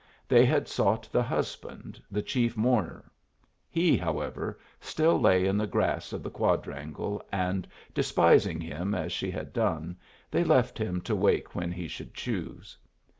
They had sought the husband, the chief mourner. He, however, still lay in the grass of the quadrangle, and despising him as she had done, they left him to wake when he should choose.